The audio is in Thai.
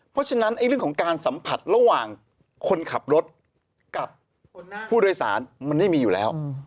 เพราะฉะนั้นเรื่องของการสัมผัสระหว่างคนขับรถกับผู้โดยสารมันไม่มีอยู่แล้ว